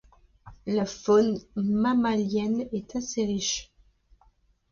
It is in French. La faune mammalienne est assez riche.